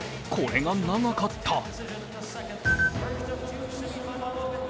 これが長かった。